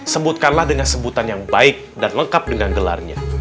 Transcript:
sebutkanlah dengan sebutan yang baik dan lengkap dengan gelarnya